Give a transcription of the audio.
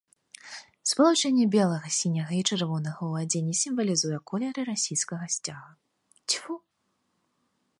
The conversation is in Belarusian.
Спалучэнне белага, сіняга і чырвонага ў адзенні сімвалізуе колеры расійскага сцяга.